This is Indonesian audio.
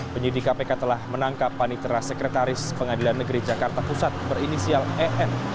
penyidik kpk telah menangkap panitera sekretaris pengadilan negeri jakarta pusat berinisial en